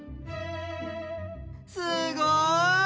すごい！